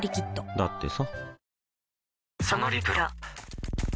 だってさ